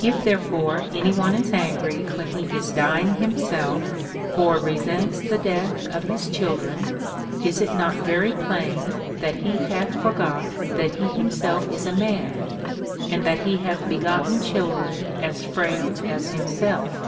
If therefore any one is angry when he is dying himself, or resents the death of his children, is it not very |)lain, that he hath forgot that he himself is a man and that he hath begotten children as frail as himself?